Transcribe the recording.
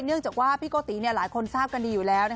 เนื่องจากว่าพี่โกติหลายคนทราบกันดีอยู่แล้ว